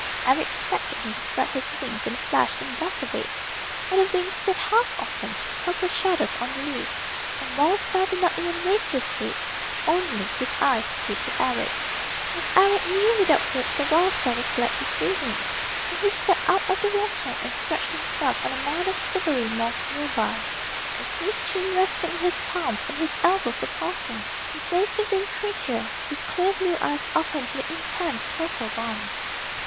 Eric expected him to spread his wings in a flash and dart away. But the wings stayed half open, purple shadows on the leaves, and Wild Star did not even raise his head. Only his eyes greeted Eric. But Eric knew without words that Wild Star was glad to see him. So he stepped up out of the water and stretched himself on a mound of silvery moss near by. With his chin resting in his palms and his elbows supporting, he faced the Wind Creature, his clear blue eyes open to the intent purple ones.